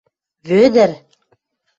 — Вӧдӹр!..